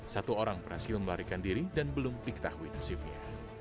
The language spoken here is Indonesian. satu orang berhasil melarikan diri dan belum diketahui nasibnya